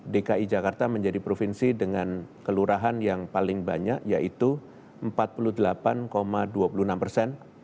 dki jakarta menjadi provinsi dengan kelurahan yang paling banyak yaitu empat puluh delapan dua puluh enam persen